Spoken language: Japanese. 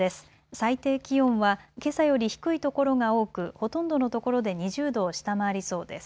最低気温はけさより低いところが多く、ほとんどのところで２０度を下回りそうです。